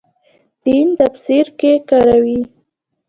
دین تفسیر کې کاروي.